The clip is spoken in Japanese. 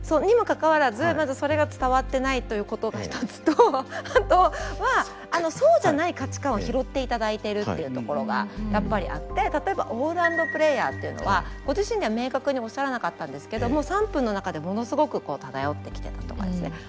にもかかわらずまずそれが伝わってないということが一つとあとはそうじゃない価値観を拾っていただいてるっていうところがやっぱりあって例えばオールラウンドプレーヤーっていうのはご自身では明確におっしゃらなかったんですけども３分の中でものすごく漂ってきてたとかですね。